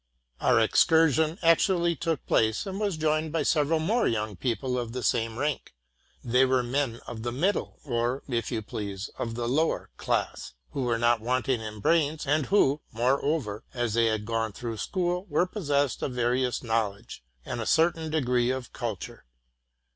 Our excursion actually took place, and was joined by several more young people of the same rank. They were men of the middle, or, if you please, of the lower, class, who were not wanting in brains, and who, moreover, as they had gone through school, were possessed of various knowl edge and a certain degree of culture.